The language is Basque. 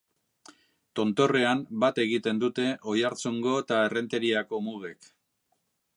Tontorrean bat egiten dute Oiartzungo eta Errenteriako mugek.